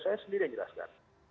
saya sendiri yang jelaskan